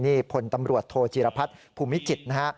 นี่พลตำรวจโทจีรพัฒน์ภูมิจิตนะฮะ